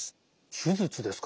手術ですか。